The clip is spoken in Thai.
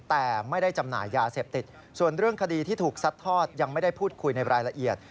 แต่ไม่ได้จำหน่ายยาเสพติดส่วนเรื่องคดีที่ถูกซัดทอดยังไม่ได้พูดคุยในรายละเอียด